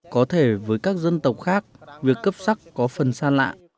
có thể với các dân tộc khác việc cấp sắc có phần xa lạ